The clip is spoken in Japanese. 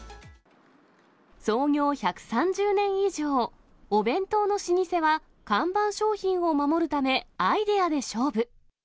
創業１３０年以上、お弁当の老舗は、看板商品を守るため、アイデアで勝負。